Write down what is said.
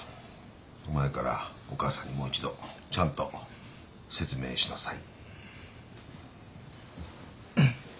お前からお母さんにもう一度ちゃんと説明しなさい。